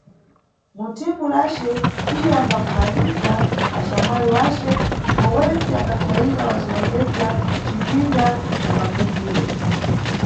Muthimu lace, iye ambagumanisa axamwali wace ndipo wentse ambapsayira wacilongedza cipinda ca mapfundziro.